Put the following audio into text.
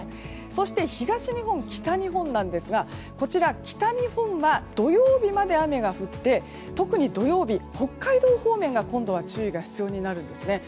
そして東日本、北日本なんですがこちら、北日本は土曜日まで雨が降って特に土曜日、北海道方面が今度は注意が必要になるんですね。